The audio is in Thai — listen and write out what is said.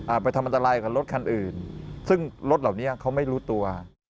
ไปทำอันตรายกับรถคันอื่นซึ่งรถเหล่านี้เขาไม่รู้ตัว